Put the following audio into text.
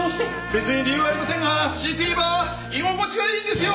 別に理由はありませんが強いて言えば居心地がいいんですよ